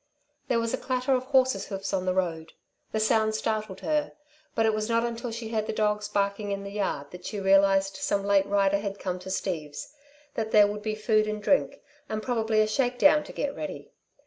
There was a clatter of a horse's hoofs on the road. The sound startled her; but it was not until she heard the dogs barking in the yard that she realised some late rider had come to Steve's, that there would be food and drink, and probably a shakedown, to get ready.